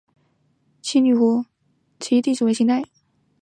七女湖起义旧址的历史年代为清代。